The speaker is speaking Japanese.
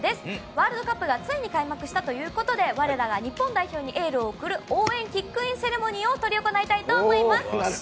ワールドカップがついに開幕したということで我らが日本代表にエールを送る応援キックインセレモニーを執り行いたいと思います。